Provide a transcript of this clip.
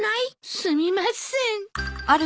すみません。